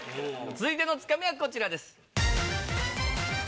続いてのツカミはこちらです。